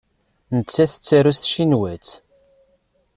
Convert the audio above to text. Nettat tettaru s tcinwat.